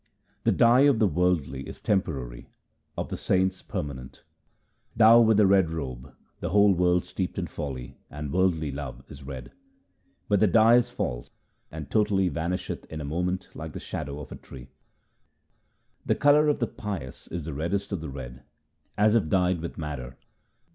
The dye of the worldly is temporary, of the saints permanent :— Thou with the red robe, the whole world steeped in folly and worldly love is red ; But the dye is false and totally vanisheth in a moment like the shadow of a tree. The colour of the pious is the reddest of the red as if dyed with madder.